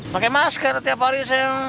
pakai masker tiap hari saya